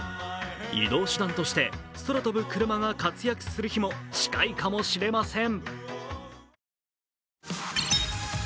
移動手段として空飛ぶクルマが活躍する日も近いかもしれません。